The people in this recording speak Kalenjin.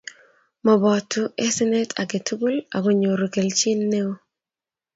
Mobutu asenet age tugul akonyoru kelchin neo